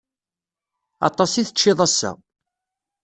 Aṭas i teččiḍ ass-a.